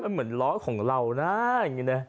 เหมือนล้อของเรานะอย่างนี้นะ